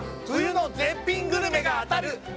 冬の絶品グルメが当たる